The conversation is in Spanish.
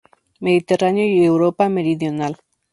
Mediterráneo y Europa meridional.